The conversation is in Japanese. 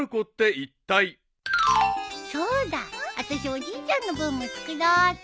おじいちゃんの分も作ろうっと。